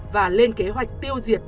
và lên kế hoạch tiêu diệt